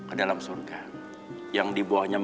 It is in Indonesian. udah ah gua tidur duluan ya